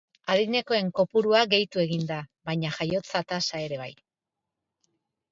Adinekoen kopurua gehitu egin da baina jaiotza tasa ere bai.